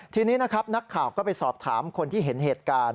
ทีนี้นะครับนักข่าวก็ไปสอบถามคนที่เห็นเหตุการณ์